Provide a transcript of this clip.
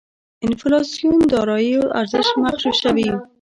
انفلاسیون داراییو ارزش مغشوشوي.